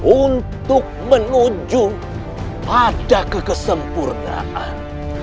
untuk menuju pada kekesempurnaan